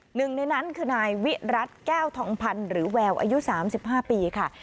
หนึ่งในนั้นคือนายวิรัติแก้วทองพันธ์หรือแววอายุ๓๕ปีค่ะ